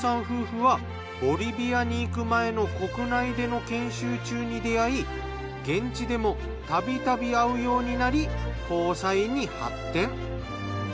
夫婦はボリビアに行く前の国内での研修中に出会い現地でもたびたび会うようになり交際に発展。